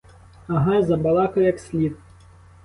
Ага, забалакав як слід!